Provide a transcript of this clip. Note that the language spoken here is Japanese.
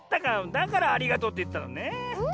だから「ありがとう」っていったのねえ。